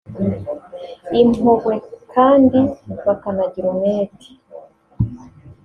impuhwe kandi bakanagira umwete